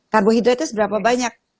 karbohidratnya seberapa banyak